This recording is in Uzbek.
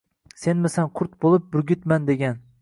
Senmisan qurt bo’lib, burgutman degan?